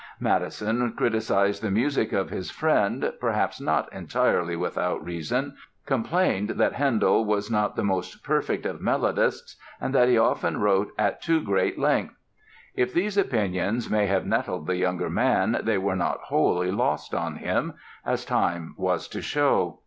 Mattheson criticised the music of his friend, perhaps not entirely without reason, complained that Handel was not the most perfect of melodists and that he often wrote at too great length. If these opinions may have nettled the younger man they were not wholly lost on him, as time was to show.